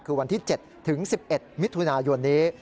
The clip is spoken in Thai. คือวันที่๗ถึง๑๑มิถุนายนนี้